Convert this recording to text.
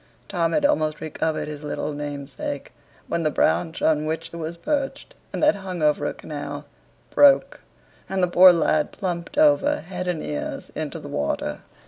Tom had almost recovered his little namesake, when the branch on which it was perched, and that hung over a canal, broke, and the poor lad plumped over head and ears into the water.